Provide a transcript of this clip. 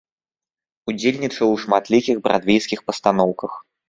Удзельнічаў у шматлікіх брадвейскіх пастаноўках.